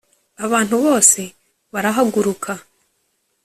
abantu bose barahaguruka